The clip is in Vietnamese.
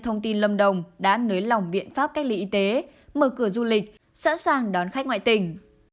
thông tin lâm đồng đã nới lỏng viện pháp cách ly y tế mở cửa du lịch sẵn sàng đón khách ngoại tỉnh